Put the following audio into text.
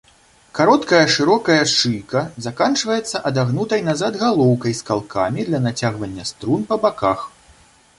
Кароткая шырокая шыйка заканчваецца адагнутай назад галоўкай з калкамі для нацягвання струн па баках.